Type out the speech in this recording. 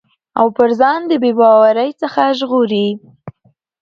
او پر ځان د بې باورٸ څخه ژغوري